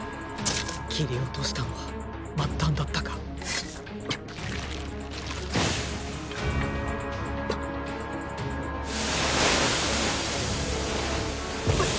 切り落としたのは末端だったか。ッ！ッ！！